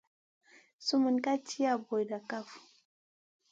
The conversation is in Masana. Sumun ka tiya bura kaf.